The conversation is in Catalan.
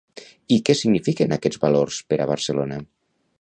I què signifiquen aquests valors per a Barcelona?